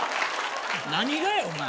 何がやお前。